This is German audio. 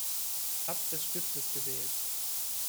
Abt des Stiftes gewählt.